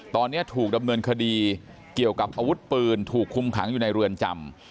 ตอนนี้ถูกดำเนินคดีเกี่ยวกับอาวุธปืนถูกคุมขังอยู่ในเรือนจำ